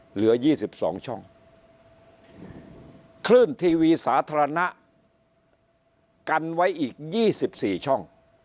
เหลือ๒๒ช่องคลื่นทีวีสาธารณะกันไว้อีก๒๔ช่อง